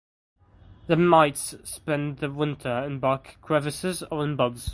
The mites spend the winter in bark crevices or in buds.